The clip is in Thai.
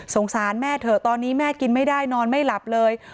สารแม่เถอะตอนนี้แม่กินไม่ได้นอนไม่หลับเลย